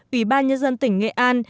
ủy ban nhân dân tỉnh nghệ an